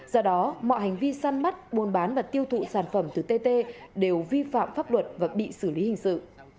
do đó mọi hành vi săn mắt buôn bán và tiêu thụ sản phẩm từ tê tê đều vi phạm pháp luật và bị xử lý hình sự